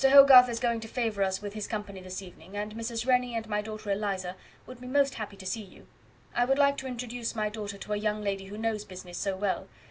Hogarth is going to favour us with his company this evening, and Mrs. Rennie and my daughter Eliza would be most happy to see you. I would like to introduce my daughter to a young lady who knows business so well.